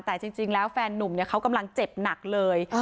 แต่จริงแล้วแฟนนุ่มเขากำลังเจ็บหนักเลย